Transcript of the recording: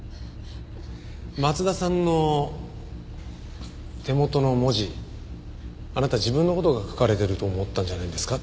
松田さんの手元の文字あなた自分の事が書かれてると思ったんじゃないんですか？